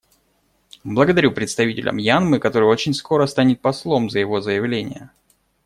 Благодарю представителя Мьянмы, который очень скоро станет послом, за его заявление.